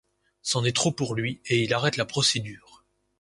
C'en est trop pour lui et il arrête la procédure.